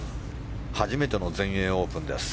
初めての全英オープンです。